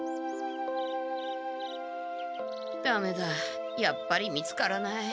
ダメだやっぱり見つからない。